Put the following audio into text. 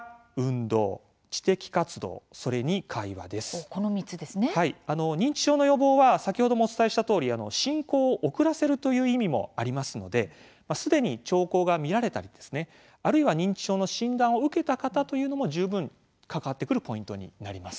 あの認知症の予防は先ほどもお伝えしたとおり進行を遅らせるという意味もありますので既に兆候が見られたりですねあるいは認知症の診断を受けた方というのも十分関わってくるポイントになります。